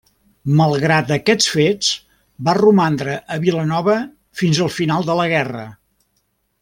Malgrat aquests fets, va romandre a Vilanova fins al final de la guerra.